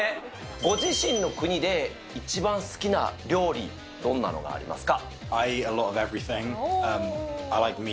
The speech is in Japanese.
ご自身の国で一番好きな料理、どんなのがありますか？